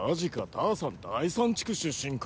ターさん第３地区出身か。